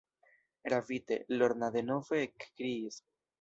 Ravite, Lorna denove ekkriis: